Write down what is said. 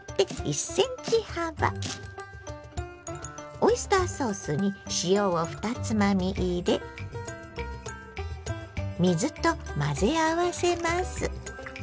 オイスターソースに塩を２つまみ入れ水と混ぜ合わせます。